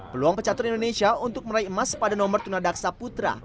peluang pecatur indonesia untuk meraih emas pada nomor tunadaksa putra